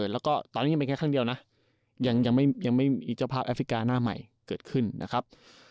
แล้วก็ตอนนี้ยังเป็นแค่ครั้งเดียวนะยังไม่มีเจ้าภาพแอฟริกาหน้าใหม่เกิดขึ้นนะครับ